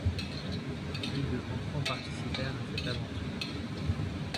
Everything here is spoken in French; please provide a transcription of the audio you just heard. Plus de enfants participèrent à cette aventure.